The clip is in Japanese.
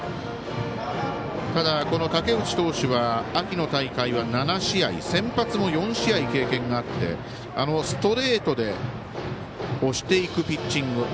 この武内投手は秋の大会は７試合先発も４試合経験があってストレートで押していくピッチング。